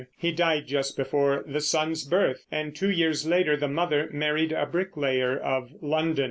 He died just before the son's birth, and two years later the mother married a bricklayer of London.